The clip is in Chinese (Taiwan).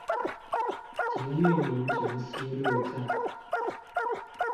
捷運民權西路站